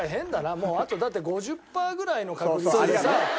もうあとだって５０パーぐらいの確率でさ。